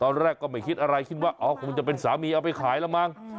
ตอนแรกก็ไม่คิดอะไรคิดว่าอ๋อคงจะเป็นสามีเอาไปขายแล้วมั้ง